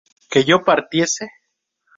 ¿que yo partiese?